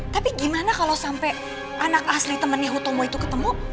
tapi gimana kalau sampai anak asli temennya hutomo itu ketemu